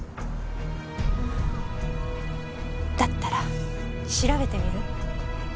だったら調べてみる？